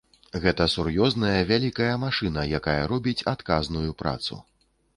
Гэта сур'ёзная вялікая машына, якая робіць адказную працу.